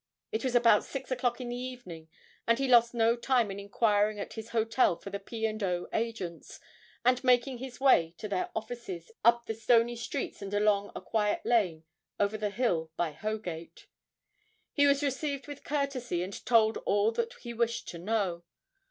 It was about six o'clock in the evening, and he lost no time in inquiring at his hotel for the P. and O. agents, and in making his way to their offices up the stony streets and along a quiet lane over the hill by Hoegate. He was received with courtesy and told all that he wished to know.